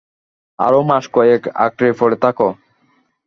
আরও মাস-কয়েক আঁকড়ে পড়ে থাক।